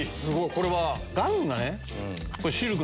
これは？